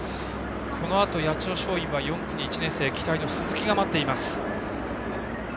このあと、八千代松陰は４区に１年生、期待の鈴木が待っています。